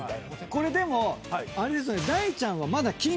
これでもあれですよね？